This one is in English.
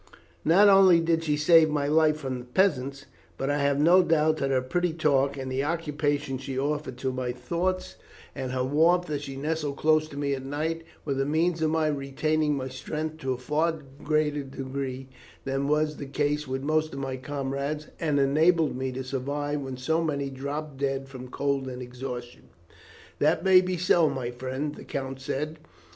Not only did she save my life from the peasants, but I have no doubt that her pretty talk, and the occupation she offered to my thoughts, and her warmth as she nestled close to me at night, were the means of my retaining my strength to a far greater degree than was the case with most of my comrades, and enabled me to survive when so many dropped dead from cold and exhaustion." "That may be so, my friend," the count said.